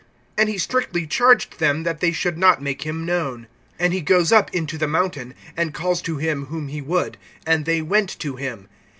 (12)And he strictly charged them that they should not make him known. (13)And he goes up into the mountain, and calls to him whom he would; and they went to him.